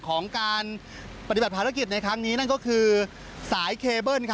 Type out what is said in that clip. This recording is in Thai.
ของการปฏิบัติภารกิจในครั้งนี้นั่นก็คือสายเคเบิ้ล